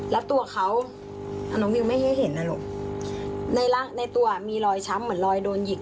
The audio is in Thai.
แล้วตัวเขาน้องวิวไม่ให้เห็นนะลูกในร่างในตัวมีรอยช้ำเหมือนรอยโดนหยิก